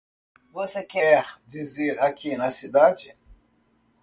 Você quer dizer aqui na cidade?